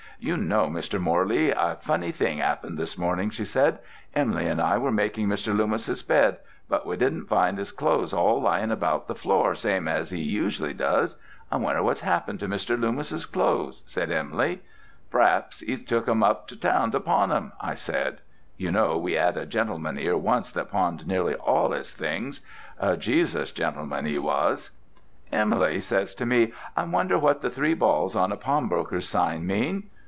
"You know, Mr. Morley, a funny thing 'appened this morning," she said. "Em'ly and I were making Mr. Loomis's bed. But we didn't find 'is clothes all lyin' about the floor same as 'e usually does. 'I wonder what's 'appened to Mr. Loomis's clothes?' said Em'ly. "'P'raps 'e's took 'em up to town to pawn 'em.' I said. (You know we 'ad a gent'man 'ere once that pawned nearly all 'is things—a Jesus gentleman 'e was.) "Em'ly says to me, 'I wonder what the three balls on a pawnbroker's sign mean?'